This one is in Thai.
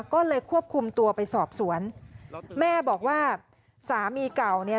ก็เลยควบคุมตัวไปสอบสวนแม่บอกว่าสามีเก่าเนี่ย